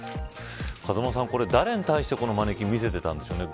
風間さん、これ誰に対してこのマネキン見せてたんでしょうかね。